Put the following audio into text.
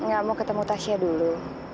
gak mau ketemu tasya dulu